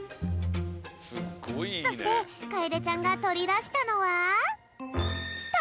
そしてかえでちゃんがとりだしたのは。